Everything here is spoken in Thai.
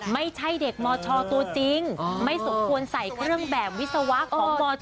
ไม่ใช่เด็กมชตัวจริงไม่สมควรใส่เครื่องแบบวิศวะของมช